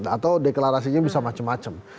atau deklarasinya bisa macam macam